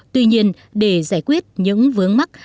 tuy nhiên để giải quyết những vướng mắc